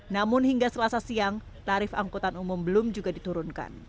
namun hingga selasa siang tarif angkutan umum belum juga diturunkan